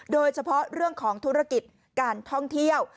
โดยเฉพาะเรื่องของธุรกิจการท่องเที่ยว